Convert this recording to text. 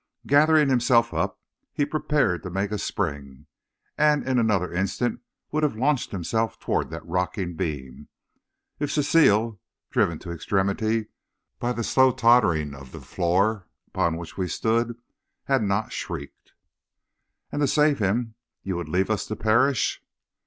Gathering himself up, he prepared to make a spring, and in another instant would have launched himself toward that rocking beam, if Cecile, driven to extremity by the slow tottering of the floor upon which we stood, had not shrieked: "'And to save him you would leave us to perish?'